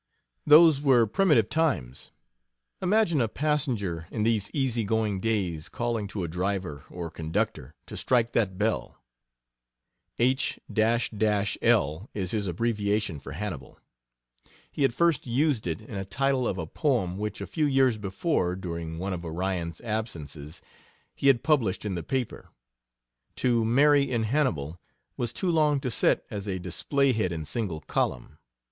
Those were primitive times. Imagine a passenger in these easy going days calling to a driver or conductor to "Strike that bell!" "H l" is his abbreviation for Hannibal. He had first used it in a title of a poem which a few years before, during one of Orion's absences, he had published in the paper. "To Mary in Hannibal" was too long to set as a display head in single column.